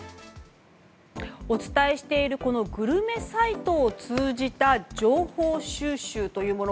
お伝えしているグルメサイトを通じた情報収集というもの。